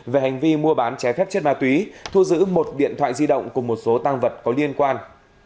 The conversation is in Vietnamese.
về hành vi mua bán trái phép chất ma túy thu giữ một điện thoại di động cùng một số tăng vật có liên quan